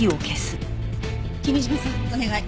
君嶋さんお願い。